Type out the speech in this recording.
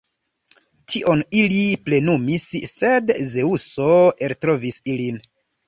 Tion ili plenumis, sed Zeŭso eltrovis ilin.